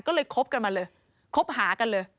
ก็เลยคบกันมาเลยคบหากันเลย